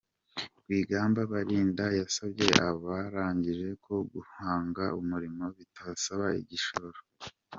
Rwigamba Barinda yasabye abarangije ko guhanga umurimo bitasaba igishoro.